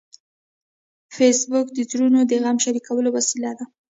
فېسبوک د زړونو د غم شریکولو وسیله ده